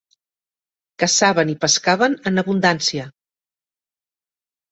Caçaven i pescaven en abundància.